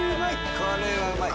これはうまい！